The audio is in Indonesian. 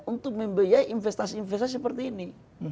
untuk membiayai investasi investasi seperti ini